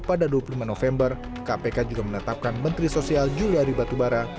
pada dua puluh lima november kpk juga menetapkan menteri sosial juliari batubara